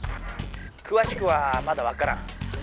くわしくはまだわからん。